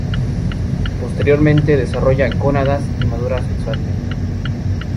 Posteriormente desarrolla gónadas y madura sexualmente.